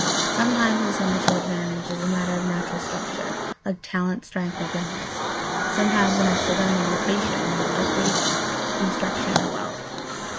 Sometimes this initial advantage is a matter of natural structure, like talent, strength, or goodness; sometimes an accidental accretion, like breeding, instruction, or wealth.